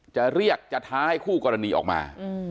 จะเรียกจะท้าให้คู่กรณีออกมา